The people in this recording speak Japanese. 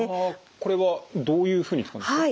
これはどういうふうに使うんですか？